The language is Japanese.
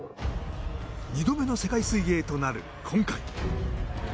２度目の世界水泳となる今回。